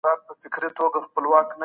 کمپيوټر سرکټ ډيزاينوي.